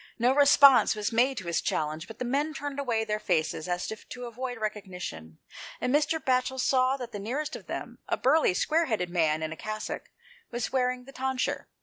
No response was made to his challenge, hut the men turned away their faces as if to avoid recognition, and Mr. Batchel saw that the nearest of them, a burly, square headed man in a cassock, was wearing the tonsure.